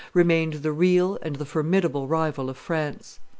remained the real and the formidable rival of France.